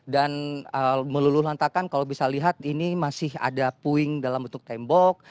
dan melulu lantakan kalau bisa lihat ini masih ada puing dalam bentuk tembok